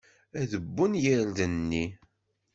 Ad wwen yirden-nni.